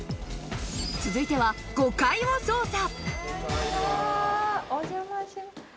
続いては５階を捜査。